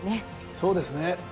そうですね。